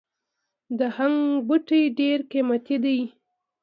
د هنګ بوټی ډیر قیمتي دی